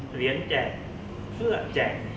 เหรียญแจกเพื่อแจก